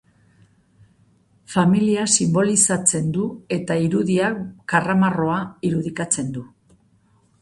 Familia sinbolizatzen du eta irudiak karramarroa irudikatzen du.